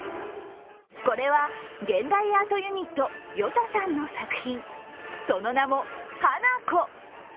これは、現代アートユニットＹｏｔｔａさんの作品その名も「花子」。